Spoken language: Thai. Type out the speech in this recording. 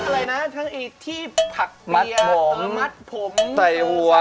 ไม่ต้องชี้แนะมากก็ได้ค่ะ